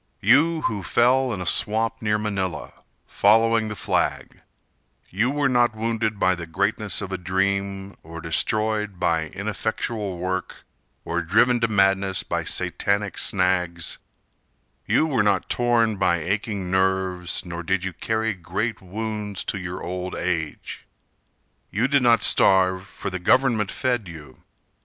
You who fell in a swamp Near Manila, following the flag You were not wounded by the greatness of a dream, Or destroyed by ineffectual work, Or driven to madness by Satanic snags; You were not torn by aching nerves, Nor did you carry great wounds to your old age. You did not starve, for the government fed you.